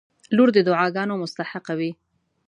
• لور د دعاګانو مستحقه وي.